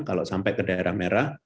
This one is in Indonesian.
kalau sampai ke daerah merah